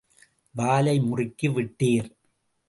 வாலை முறுக்கி விட்டீர்!